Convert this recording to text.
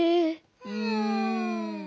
うん。